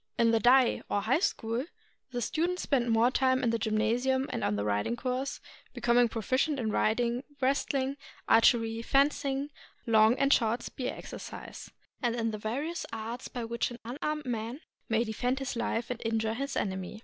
In the Dai, or High School, the students spent more time in the gynmasium and on the riding course, becom ing proficient in riding, wrestling, archery, fencing, long and short spear exercise, and in the various arts by which an unarmed man may defend his life and injure his enemy.